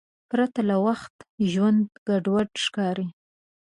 پرته له وخت ژوند ګډوډ ښکاري.